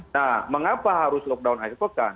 nah mengapa harus lockdown akhir pekan